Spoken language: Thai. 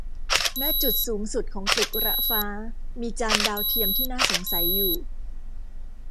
ณ จุดสูงสุดของตึกระฟ้ามีจานดาวเทียมที่น่าสงสัยอยู่